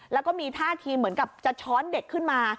แล้วก็มีท่าทีเหมือนกับจะช้อนเด็กขึ้นมา